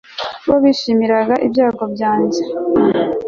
bo bishimiraga ibyago byanjye